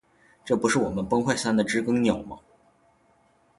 这不是我们崩坏三的知更鸟吗